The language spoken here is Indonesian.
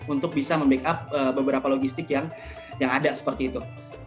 untuk bisa membackup beberapa logistik yang ada seperti itu